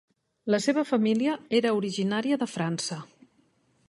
La seva família era originària de França.